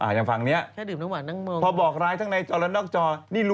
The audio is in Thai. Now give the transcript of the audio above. อ่าอยากฟังเนี่ยพอบอกร้ายทั้งในนกจอเดี๋ยวลต